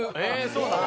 そうなん？